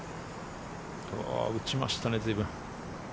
打ちましたね、随分。